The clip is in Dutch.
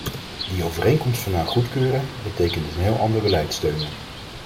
Die overeenkomst vandaag goedkeuren, betekent een heel ander beleid steunen.